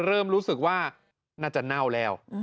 เริ่มรู้สึกว่าน่าจะเน่าแล้ว